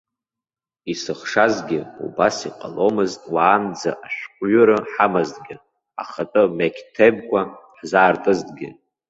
Исыхшазгьы убас иҟаломызт уаанӡа ашәҟәҩыра ҳамазҭгьы, ахатәы меқьҭебқәа ҳзаартызҭгьы.